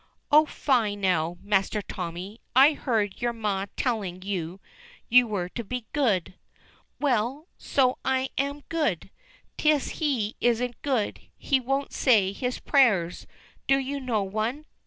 "Oh, fie, now, Master Tommy, and I heard your ma telling you you were to be good." "Well, so I am good. 'Tis he isn't good. He won't say his prayers. Do you know one?"